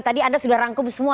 tadi anda sudah rangkum semua